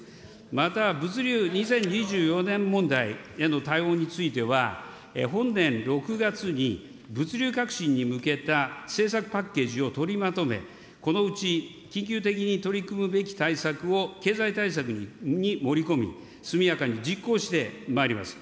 また物流２０２４年問題への対応については、本年６月に、物流革新に向けた政策パッケージを取りまとめ、このうち緊急的に取り組むべき対策を経済対策に盛り込み、速やかに実行してまいります。